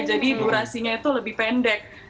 jadi durasinya itu lebih pendek